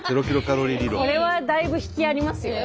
これはだいぶ引きありますよ。